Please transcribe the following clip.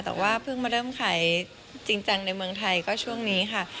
แต่ว่าเพิ่งมาเริ่มขายจริงจังในเมืองไทยก็ช่วงนี้ค่ะ